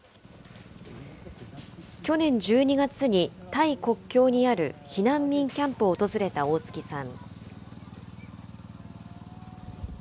去年１２月にタイ国境にある避難民キャンプを訪れた大槻さん。